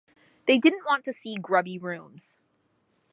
They didn't want to see grubby rooms.